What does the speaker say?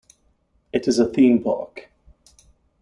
It is a theme park.